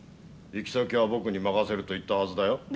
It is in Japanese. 行き先は僕に任せると言ったはずだよ。